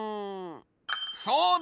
そうだ！